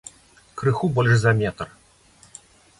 Крыху больш за метр.